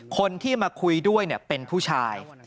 คนที่มาคุยด้วยเป็นผู้ชาย